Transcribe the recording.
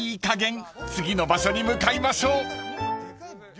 かげん次の場所に向かいましょう］